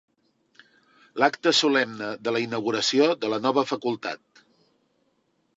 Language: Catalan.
L'acte solemne de la inauguració de la nova facultat.